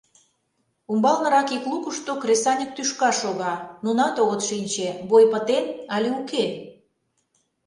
Умбалнырак ик лукышто кресаньык тӱшка шога — нунат огыт шинче: бой пытен але уке?